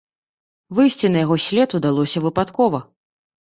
Выйсці на яго след удалося выпадкова.